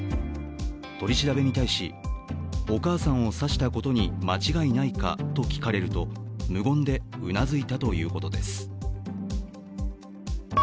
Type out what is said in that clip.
取り調べに対し、お母さんを刺したことに間違いないかと聞かれると、無言でうなずいたということです。